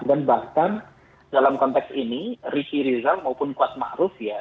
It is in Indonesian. dan bahkan dalam konteks ini rishi rizal maupun kuat ma'ruf ya